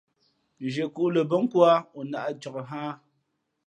Zhiekhǔ lα bά nkō ā, o nāʼ cak nhᾱ a.